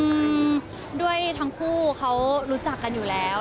อืมด้วยทั้งคู่เขารู้จักกันอยู่แล้ว